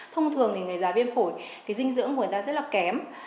thông thường thì người già viêm phổi thì dinh dưỡng của người ta rất là kém